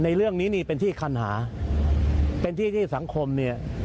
ในเรื่องนี้นี่เป็นที่คันหาเป็นที่ที่สังคมเนี่ย